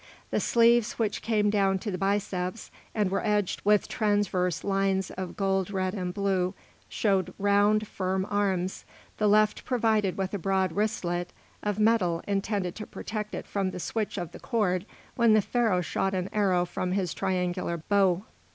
The sleeves, which came down to the biceps and were edged with transverse lines of gold, red, and blue, showed round, firm arms, the left provided with a broad wristlet of metal intended to protect it from the switch of the cord when the Pharaoh shot an arrow from his triangular bow.